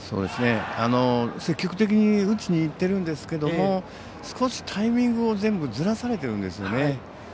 積極的に打ちにいっているんですけども少しタイミングを全部ずらされているんですね。